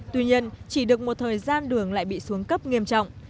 tuy nhiên chỉ được một thời gian đường lại bị xuống cấp nghiêm trọng